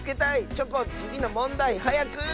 チョコンつぎのもんだいはやく！